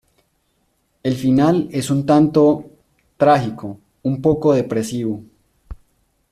El final es un tanto... trágico, un poco depresivo.